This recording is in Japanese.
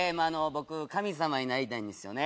僕神様になりたいんですよね